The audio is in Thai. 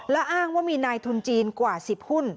และอ้างว่ามีนายทุนจีนกว่า๑๐หุ้น